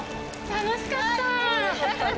楽しかった。